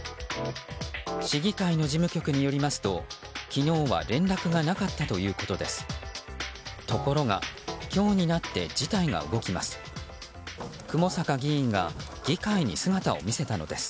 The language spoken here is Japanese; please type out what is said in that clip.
市議会の事務局によりますと昨日は連絡がなかったということです。